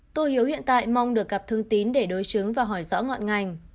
tô hiếu hiện tại mong được gặp thương tín để đối chứng và hỏi rõ ngọn ngành